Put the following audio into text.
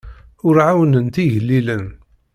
Ur ɛawnent igellilen.